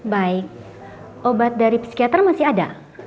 baik obat dari psikiater masih ada